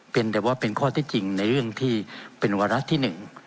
เป็นแต่ว่าเป็นข้อที่จริงในเรื่องที่เป็นวาระที่หนึ่ง